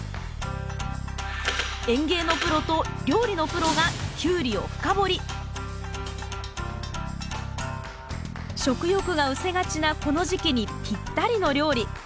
園芸のプロと料理のプロが食欲がうせがちなこの時期にぴったりの料理。